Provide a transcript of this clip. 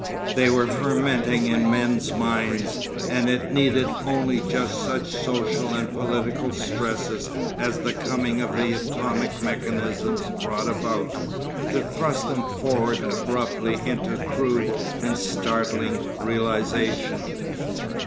They were fermenting in men's minds, and it needed only just such social and political stresses as the coming of the atomic mechanisms brought about, to thrust them forward abruptly into crude and startling realisation.